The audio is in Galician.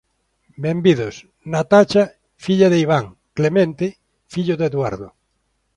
Benvidos: Natacha, filla de Iván. Clemente, fillo de Eduardo.